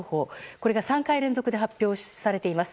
これが３回連続で発表されています。